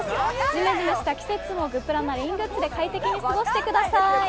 じめじめした季節もグップラな紹介したレイングッズで快適に過ごしてください。